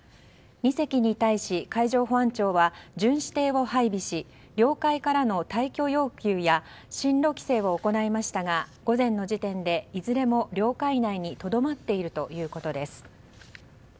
２隻に対し、海上保安庁は巡視艇を配備し領海からの退去要求や進路規制を行いましたが午前の時点でいずれも領海内にとどまっているということです。